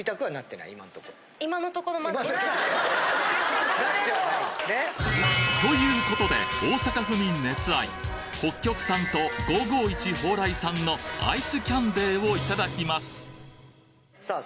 今んとこ。ということで大阪府民熱愛北極さんと５５１蓬莱さんのアイスキャンデーをいただきますさあ